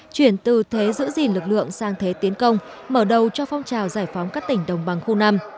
chuyển từ thế giữ gìn lực lượng sang thế tiến công mở đầu cho phong trào giải phóng các tỉnh đồng bằng khu năm